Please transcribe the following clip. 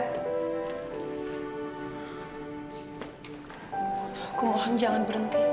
aku mohon jangan berhenti